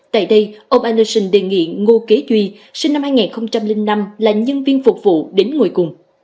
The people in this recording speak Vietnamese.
tại đây ông anderson đề nghị ngô kế duy sinh năm hai nghìn năm là nhân viên phục vụ đến ngồi cùng